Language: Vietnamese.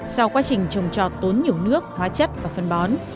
sau quá trình trồng trò tốn nhiều nước hóa chất và phân bón